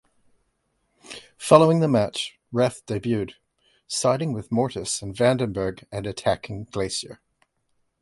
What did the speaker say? Following the match, Wrath debuted, siding with Mortis and Vandenberg and attacking Glacier.